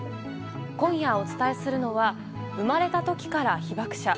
今夜お伝えするのは「生まれた時から被爆者」。